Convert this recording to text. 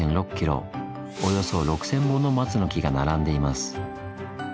およそ６，０００本の松の木が並んでいます。